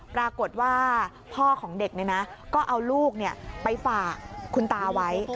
ปรากฏว่าพ่อของเด็กก็เอาลูกไปฝากคุณตาไว้